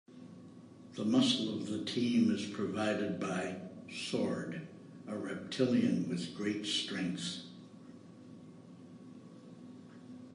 The muscle of the team is provided by "Sord", a reptilian with great strength.